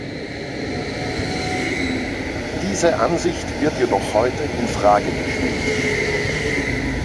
Diese Ansicht wird jedoch heute in Frage gestellt.